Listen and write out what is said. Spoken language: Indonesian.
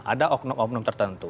ada oknum oknum tertentu